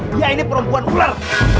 dia ini perempuan ular